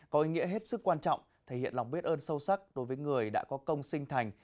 có ý nghĩa hết sức quan trọng thể hiện lòng biết ơn sâu sắc đối với người đã có công sinh thành